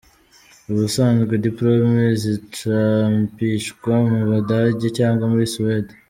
Ubusanzwe diplôme zicapishwa mu Budage cyangwa muri Suède.